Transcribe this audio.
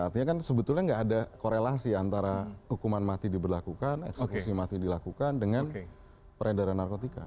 artinya kan sebetulnya nggak ada korelasi antara hukuman mati diberlakukan eksekusi mati dilakukan dengan peredaran narkotika